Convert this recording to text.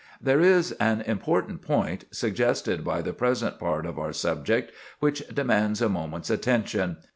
There is an important point, suggested by the present part of our subject, which demands a moment's attention.